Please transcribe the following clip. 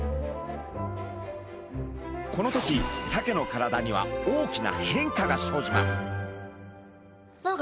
この時サケの体には大きな変化が生じます。